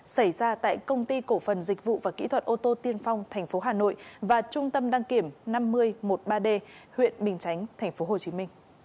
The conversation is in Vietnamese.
xảy ra tại công ty cổ phần dịch vụ và kỹ thuật ô tô tiên phong tp hà nội và trung tâm đăng kiểm năm nghìn một mươi ba d huyện bình chánh tp hcm